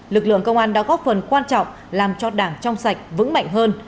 lực lượng công an đã góp phần quan trọng làm cho đảng trong sạch vững mạnh hơn